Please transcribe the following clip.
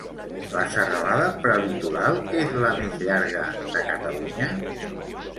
La Serralada Prelitoral és la més llarga de Catalunya?